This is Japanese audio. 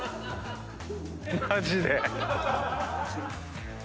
マジで。